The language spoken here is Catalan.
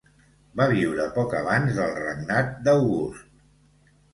Va viure poc abans del regnat d'August.